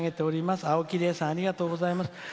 あおきさんありがとうございます。